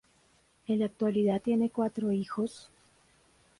En la actualidad tienen cuatro hijos.